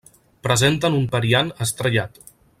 Presenten un Periant estrellat.